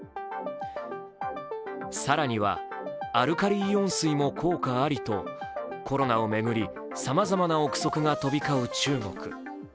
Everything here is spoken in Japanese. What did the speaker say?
更には、アルカリイオン水も効果ありとコロナを巡りさまざまな憶測が飛び交う中国。